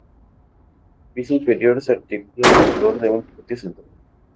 El piso inferior se articula alrededor de un patio central.